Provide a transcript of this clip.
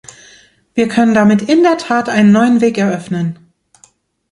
Wir können damit in der Tat einen neuen Weg eröffnen.